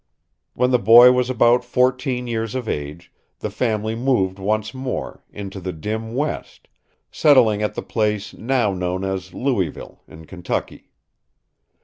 When the boy was about fourteen years of age, the family moved once more, into the dim West, settling at the place now known as Louisville, in Kentucky.